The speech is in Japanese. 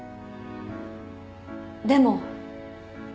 でも。